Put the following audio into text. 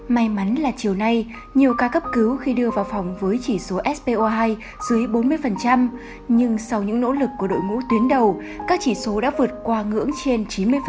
may mắn là chiều nay nhiều ca cấp cứu khi đưa vào phòng với chỉ số spo hai dưới bốn mươi nhưng sau những nỗ lực của đội ngũ tuyến đầu các chỉ số đã vượt qua ngưỡng trên chín mươi